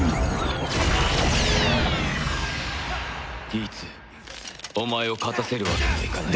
ギーツお前を勝たせるわけにはいかない。